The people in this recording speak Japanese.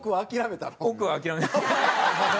億は諦めました。